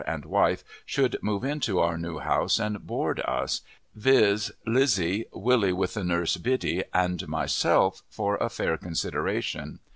and wife, should move into our new house and board us, viz., Lizzie, Willie with the nurse Biddy, and myself, for a fair consideration.